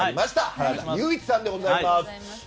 花田優一さんでございます。